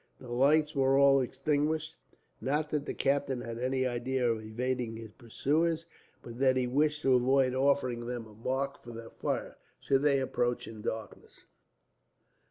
The lights were all extinguished, not that the captain had any idea of evading his pursuers, but that he wished to avoid offering them a mark for their fire, should they approach in the darkness.